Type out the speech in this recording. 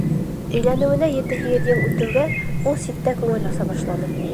Өйләнеүенә ете-һигеҙ йыл үтеүгә, ул ситтә күңел аса башланы.